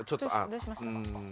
どうしました？